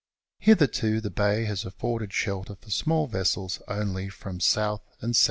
Hitherto the bay has afforded shelter for small vessels only from S. and S.E.